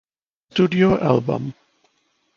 studio album